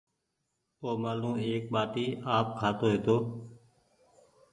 اومآلون ايڪ ٻآٽي آپ کآتو هيتو